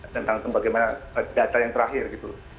tentang sebagaimana data yang terakhir gitu